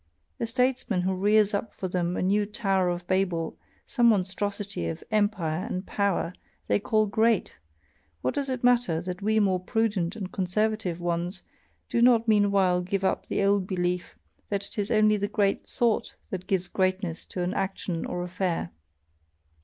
A statesman who rears up for them a new Tower of Babel, some monstrosity of empire and power, they call 'great' what does it matter that we more prudent and conservative ones do not meanwhile give up the old belief that it is only the great thought that gives greatness to an action or affair.